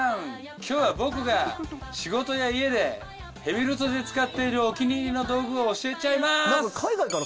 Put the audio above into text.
きょうは僕が仕事や家で、ヘビロテで使っているお気に入りの道具を教えちゃいます！